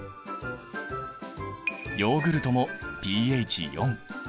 ヨーグルトもｐＨ４。